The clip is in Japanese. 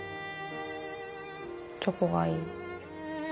チョコがいい。